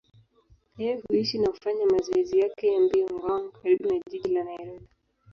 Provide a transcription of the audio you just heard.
Yeye huishi na hufanya mazoezi yake ya mbio Ngong, karibu na jiji la Nairobi.